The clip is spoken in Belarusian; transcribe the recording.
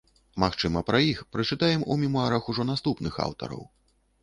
Магчыма, пра іх прачытаем у мемуарах ужо наступных аўтараў.